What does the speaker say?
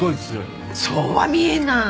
そうは見えない。